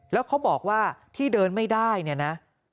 แล้วเขาบอกว่าที่เดินไม่ได้เนี่ยนะ